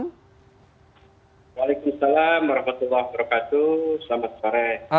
waalaikumsalam warahmatullahi wabarakatuh selamat sore